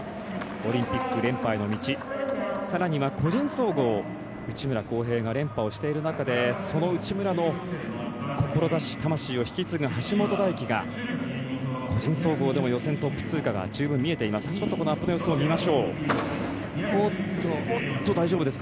オリンピック連覇への道さらには個人総合、内村航平が連覇をしている中でその内村の志、魂を引き継ぐ橋本大輝が個人総合でも予選トップ通過が十分見えています。